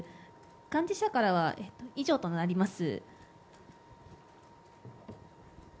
幹事社からは以上となります。